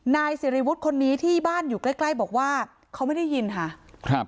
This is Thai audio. นายสิริวุฒิคนนี้ที่บ้านอยู่ใกล้ใกล้บอกว่าเขาไม่ได้ยินค่ะครับ